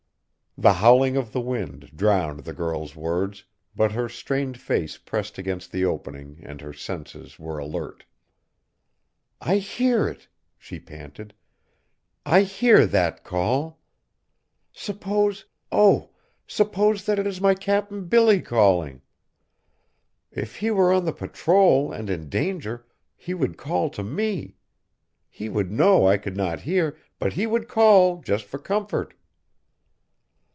The howling of the wind drowned the girl's words, but her strained face pressed against the opening and her senses were alert. "I hear it!" she panted, "I hear that call! Suppose, oh! suppose that it is my Cap'n Billy calling? If he were on the patrol and in danger, he would call to me. He would know I could not hear, but he would call, just for comfort!"